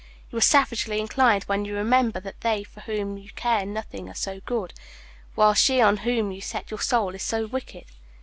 You are savagely inclined when you remember that they for whom you care nothing are so good, while she on whom you set your soul is so wicked.